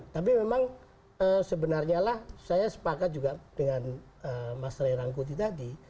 tapi memang sebenarnya lah saya sepakat juga dengan mas ray rangkuti tadi